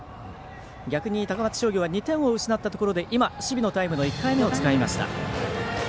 逆に高松商業は２点を失ったところで守備のタイムの１回目を使いました。